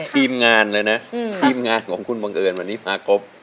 ทีมงานเลยนะทีมงานของคุณบังเอิญวันนี้พากบ